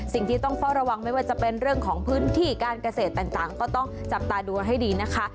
สิ่งที่ต้องเฝ้าระวังไม่ว่าจะเป็นเรื่องของพื้นที่การเกษตรต่างก็ต้องจับตาดูให้ดีนะคะ